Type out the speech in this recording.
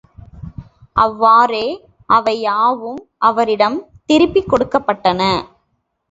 அவ்வாறே, அவை யாவும் அவரிடம் திருப்பிக் கொடுக்கப்பட்டன.